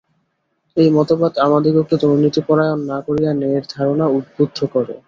এই মতবাদ আমাদিগকে দুর্নীতিপরায়ণ না করিয়া ন্যায়ের ধারণায় উদ্বুদ্ধ করে।